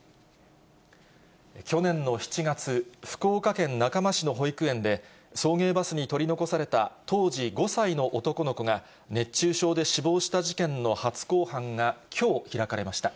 去年の７月、福岡県中間市の保育園で、送迎バスに取り残された当時５歳の男の子が、熱中症で死亡した事件の初公判が、きょう開かれました。